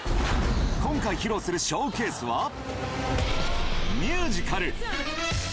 今回披露するショーケースは、ミュージカル。